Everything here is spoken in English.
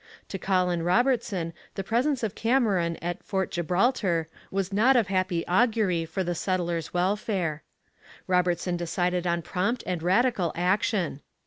To Colin Robertson the presence of Cameron at Fort Gibraltar was not of happy augury for the settlers' welfare. Robertson decided on prompt and radical action.